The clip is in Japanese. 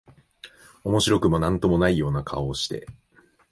面白くも何とも無いような顔をして、